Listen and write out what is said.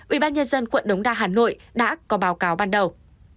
ubnd quận đống đa hà nội đã có báo cáo ban đầu